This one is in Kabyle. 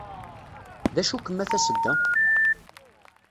D acu-kem a tasedda?